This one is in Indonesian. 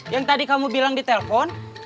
yang tadi kamu bilang di telpon